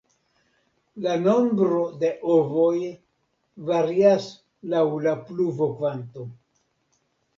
La nombro de ovoj varias laŭ la pluvokvanto.